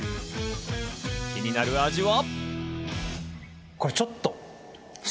気になるお味は？